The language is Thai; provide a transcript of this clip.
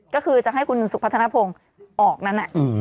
ก็คือจะให้คุณสุพัฒนภงออกนั้น